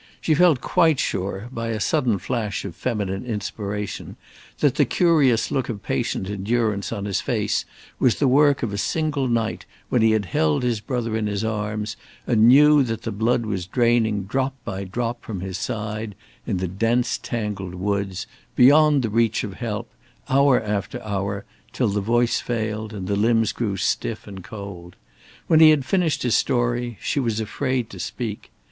She felt quite sure, by a sudden flash of feminine inspiration, that the curious look of patient endurance on his face was the work of a single night when he had held his brother in his arms, and knew that the blood was draining drop by drop from his side, in the dense, tangled woods, beyond the reach of help, hour after hour, till the voice failed and the limbs grew stiff and cold. When he had finished his story, she was afraid to speak.